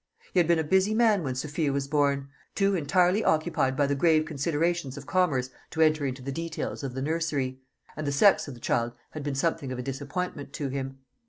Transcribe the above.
He had been a busy man when Sophia was born too entirely occupied by the grave considerations of commerce to enter into the details of the nursery and the sex of the child had been something of a disappointment to him.